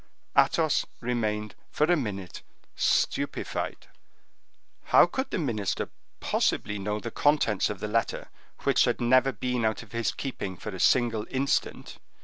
Athos remained for a minute stupefied. How could the minister possibly know the contents of the letter, which had never been out of his keeping for a single instant?